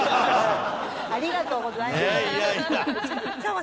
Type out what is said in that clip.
ありがとうございます。